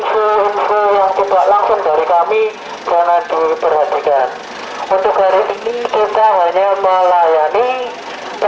mungkin info info yang tidak langsung dari kami jangan diperhatikan